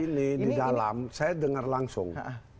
ini di dalam saya dengar langsung